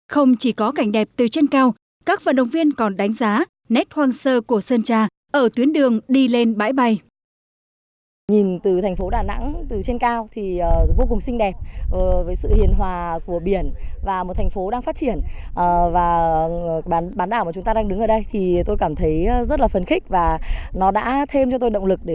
không chỉ có cảnh đẹp từ trên cao các vận động viên còn đánh giá nét hoang sơ của sơn tra ở tuyến đường đi lên bãi bay